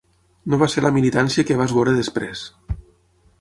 No va ser la militància que vas veure després.